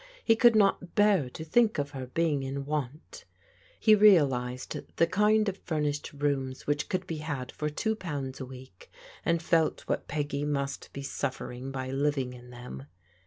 He could not bear to think of her being in want. He realized the kind of furnished rooms which could be had for two pounds a week, and felt what Peggy must be suflfering by living in them.